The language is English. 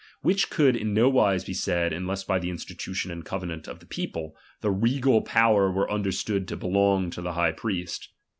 Which could in no wise be said, unless by the institution and covenant of the people, the regal power were understood to belong to the high priest.